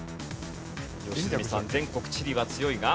良純さん全国地理は強いが。